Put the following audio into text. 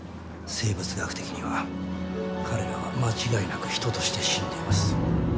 生物学的には彼らは間違いなく人として死んでいます。